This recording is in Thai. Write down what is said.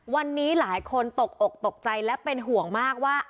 วันนี้หลายคนตกอกตกใจและเป็นห่วงมากว่า